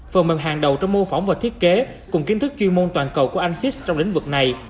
phần mềm hàng đầu trong mô phỏng và thiết kế cùng kiến thức chuyên môn toàn cầu của ansys trong lĩnh vực này